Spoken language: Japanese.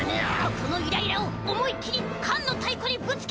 そのイライラをおもいっきりかんのタイコにぶつけて！